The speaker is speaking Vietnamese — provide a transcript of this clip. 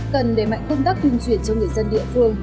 cần đẩy mạnh công tác tuyên truyền cho người dân địa phương